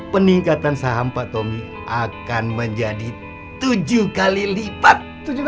peningkatan saham pak tommy akan menjadi tujuh kali lipat